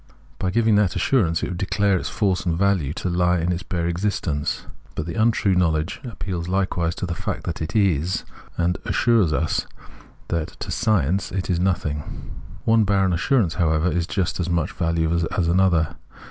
By giviag that assur ance it would declare its force and value to he in its bare existence ; but the untrue knowledge appeals hkewise to the fact that it is, and assures us that to it science is nothing. One barren assurance, how ever, is of just as much value as another.